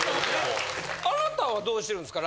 あなたはどうしてるんですか？